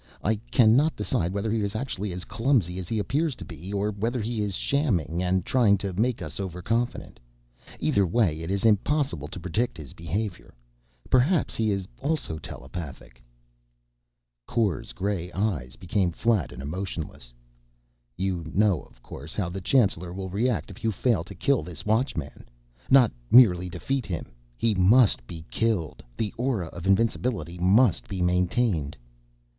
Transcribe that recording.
I cannot decide whether he is actually as clumsy as he appears to be, or whether he is shamming and trying to make me overconfident. Either way, it is impossible to predict his behavior. Perhaps he is also telepathic." Kor's gray eyes became flat and emotionless. "You know, of course, how the Chancellor will react if you fail to kill this Watchman. Not merely defeat him. He must be killed. The aura of invincibility must be maintained."